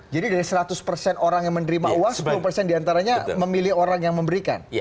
jadi dari seratus persen orang yang menerima uang sepuluh persen diantaranya memilih orang yang memberikan